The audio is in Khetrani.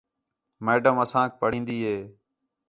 میڈم اَسانک پڑھین٘دی ہے